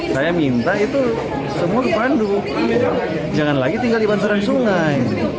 saya minta itu semua dipandu jangan lagi tinggal di bantaran sungai